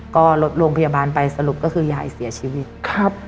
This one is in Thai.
ก็รถโรงพยาบาลไปสรุปก็คือยายเสียชีวิตครับ